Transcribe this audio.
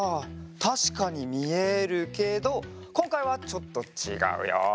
たしかにみえるけどこんかいはちょっとちがうよ。